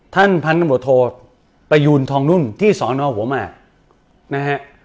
ท่านพันธุ์ตำรวจโทษประยูนทองนุ่นที่สอนอหัวหมากนะฮะ